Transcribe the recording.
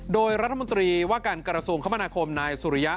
โดยรัฐมนตรีว่าการกระทรวงคมนาคมนายสุริยะ